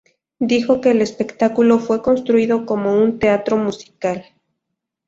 Dijo que el espectáculo fue construido como un teatro musical.